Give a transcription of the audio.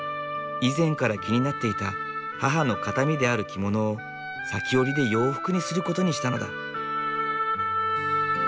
以前から気になっていた母の形見である着物を裂き織りで洋服にすることにしたのだ。